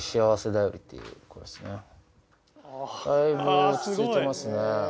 だいぶ落ち着いてますね。